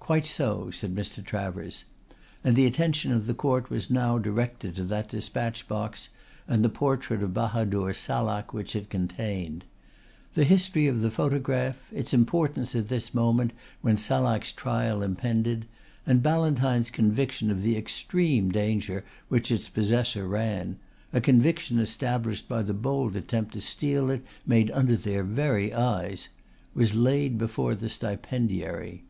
"Quite so," said Mr. Travers; and the attention of the court was now directed to that despatch box and the portrait of Bahadur Salak which it contained. The history of the photograph, its importance at this moment when Salak's trial impended, and Ballantyne's conviction of the extreme danger which its possessor ran a conviction established by the bold attempt to steal it made under their very eyes was laid before the stipendiary.